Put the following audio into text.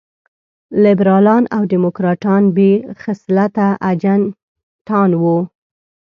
لېبرالان او ډيموکراټان بې خصلته اجنټان وو.